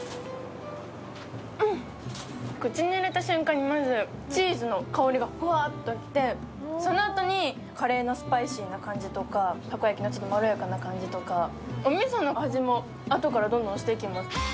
口に入れた瞬間に、まずチーズの香りがふわっと来て、そのあとにカレーのスパイシーな感じとかたこ焼きのまろやかな感じとかおみその味もあとからどんどんしてきます。